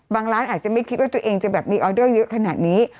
ร้านอาจจะไม่คิดว่าตัวเองจะแบบมีออเดอร์เยอะขนาดนี้